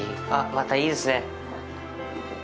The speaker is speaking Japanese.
またいいですね。